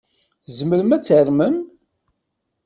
Tzemrem ad tarmem?